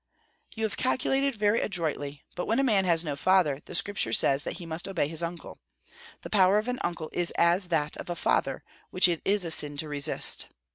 "You have calculated very adroitly; but when a man has no father, the Scriptures say that he must obey his uncle. The power of an uncle is as that of a father, which it is a sin to resist.